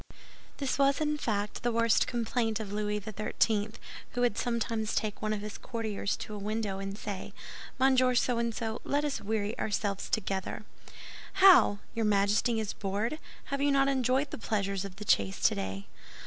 This was, in fact, the worst complaint of Louis XIII., who would sometimes take one of his courtiers to a window and say, "Monsieur So and so, let us weary ourselves together." "How! Your Majesty is bored? Have you not enjoyed the pleasures of the chase today?"